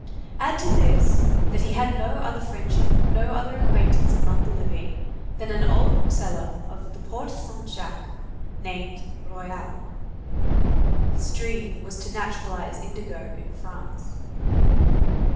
Add to this, that he had no other friendship, no other acquaintance among the living, than an old bookseller of the Porte Saint Jacques, named Royal. His dream was to naturalize indigo in France.